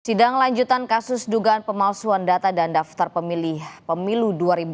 sidang lanjutan kasus dugaan pemalsuan data dan daftar pemilih pemilu dua ribu dua puluh